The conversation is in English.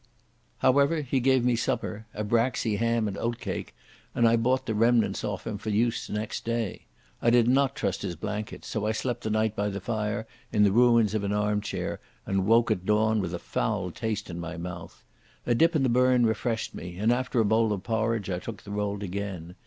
However, he gave me supper—a braxy ham and oatcake, and I bought the remnants off him for use next day. I did not trust his blankets, so I slept the night by the fire in the ruins of an arm chair, and woke at dawn with a foul taste in my mouth. A dip in the burn refreshed me, and after a bowl of porridge I took the road again.